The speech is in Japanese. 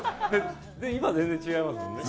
今、全然違いますもんね。